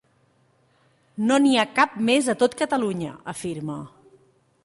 No n’hi ha cap més a tot Catalunya, afirma.